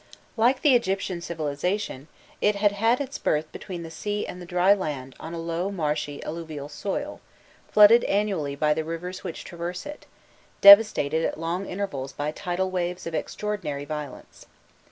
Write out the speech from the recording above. Like the Egyptian civilization, it had had its birth between the sea and the dry land on a low, marshy, alluvial soil, flooded annually by the rivers which traverse it, devastated at long intervals by tidal waves of extraordinary violence.